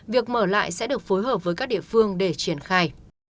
việc mở lại sẽ được phối hợp với các địa phương để triển khai